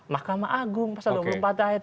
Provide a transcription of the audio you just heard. mahkamah agung pasal dua puluh empat ayat